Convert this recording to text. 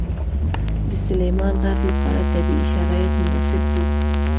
د سلیمان غر لپاره طبیعي شرایط مناسب دي.